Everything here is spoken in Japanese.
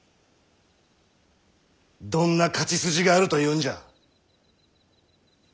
どんな勝ち筋があるというんじゃ。